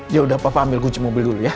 yaudah papa ambil kunci mobil dulu ya